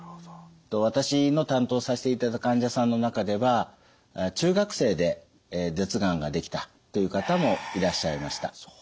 私の担当させていただいた患者さんの中では中学生で舌がんができたという方もいらっしゃいました。